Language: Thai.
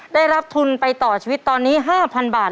ได้รับทุนไปต่อชีวิตตอนนี้๕๐๐๐บาท